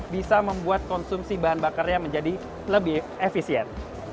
bisa membuat konsumsi bahan bakarnya menjadi lebih efisien